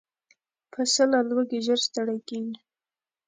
پسه له لوږې ژر ستړی کېږي.